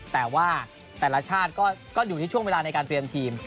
แต่ว่าแต่ละชาติก็อยู่ที่ช่วงเวลาในการเตรียมทีม